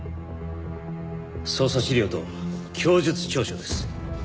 捜査資料と供述調書です。